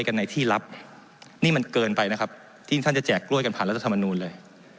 กันในที่ลับนี่มันเกินไปนะครับที่ท่านจะแจกกล้วยกันผ่านรัฐธรรมนูลเลย